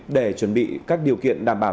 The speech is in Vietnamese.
để chuẩn bị các điều kiện đảm bảo